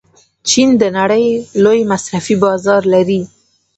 چین د نړۍ لوی مصرفي بازار لري.